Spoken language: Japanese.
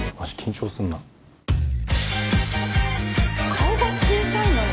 顔が小さいのよ。